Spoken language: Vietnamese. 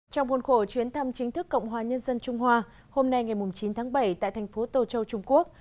trong buồn khổ chuyến thăm chính thức cộng hòa nhân dân trung hoa hôm nay ngày chín tháng bảy tại thành phố tô châu trung quốc